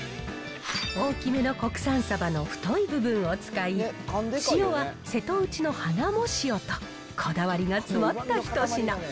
大きめの国産サバの太い部分を使い、塩は瀬戸内の花藻塩と、こだわりが詰まった一品。